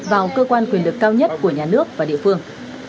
vào cơ quan quyền lực cao nhất của nhà nước và địa phương